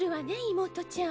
妹ちゃん。